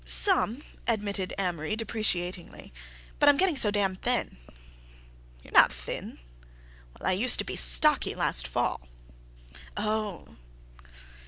"Some," admitted Amory depreciatingly, "but I'm getting so damned thin." "You're not thin." "Well, I used to be stocky last fall." "Oh!"